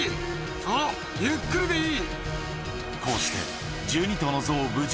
そうゆっくりでいい！